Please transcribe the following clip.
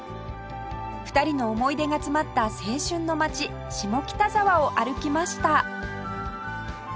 ２人の思い出が詰まった青春の街下北沢を歩きました